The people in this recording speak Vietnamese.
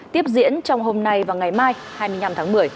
tiếp diễn trong hôm nay và ngày mai hai mươi năm tháng một mươi